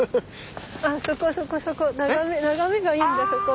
あそこそこそこ眺めがいいんだそこ。